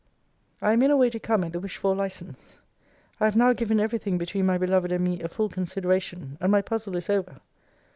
I am in a way to come at the wished for license. I have now given every thing between my beloved and me a full consideration; and my puzzle is over.